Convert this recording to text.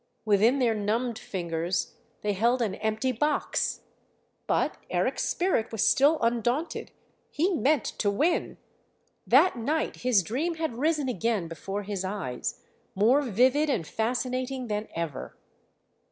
Within their numbed fingers they held an empty box!... But Eric's spirit was still undaunted. He meant to win! That night his dream had risen again before his eyes, more vivid and fascinating than ever.